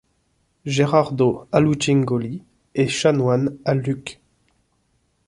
Gerardo Allucingoli est chanoine à Lucques.